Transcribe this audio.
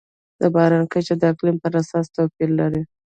د باران کچه د اقلیم پر اساس توپیر لري.